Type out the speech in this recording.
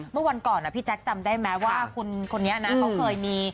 เมื่อวันก่อนพี่แจ๊คจำได้ไหมว่าคุณคนนี้นะเขาเคยมี